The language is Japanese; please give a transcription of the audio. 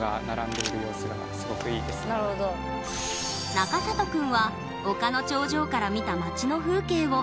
中里くんは丘の頂上から見た街の風景を。